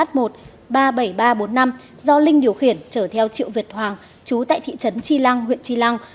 trong hai mươi bốn năm do linh điều khiển trở theo triệu việt hoàng chú tại thị trấn tri lăng huyện tri lăng